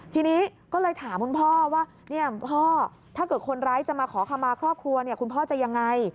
ทีนี้ก็เลยถามคุณพ่อว่าพ่อถ้าเกิดคนร้ายจะมาขอคำมาครอบครัวคุณพ่อจะยังไง